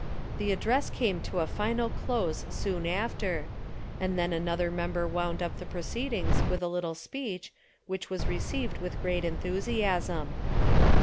The address came to a final close soon after, and then another member wound up the proceedings with a little speech, which was received with great enthusiasm.